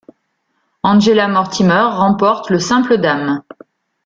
Angela Mortimer remporte le simple dames.